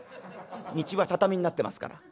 道は畳になってますから」。